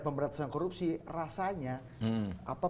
pemberantasan korupsi rasanya